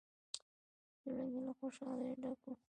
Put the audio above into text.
زړه مې له خوشالۍ ډک و.